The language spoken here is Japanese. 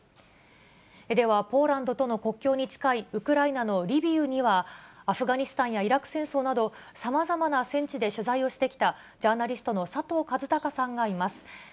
では、ポーランドとの国境に近いウクライナのリビウには、アフガニスタンやイラク戦争など、さまざまな戦地で取材をしてきた、ジャーナリストの佐藤和孝さんがいます。